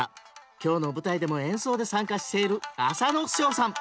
今日の舞台でも演奏で参加している浅野祥さん